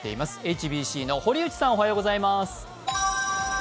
ＨＢＣの堀内さん、おはようございます。